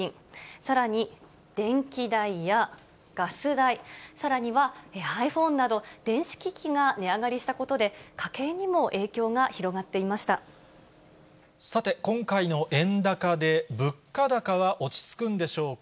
さらに、電気代やガス台、さらにはｉＰｈｏｎｅなど、電子機器が値上がりしたことで、さて、今回の円高で、物価高は落ち着くんでしょうか。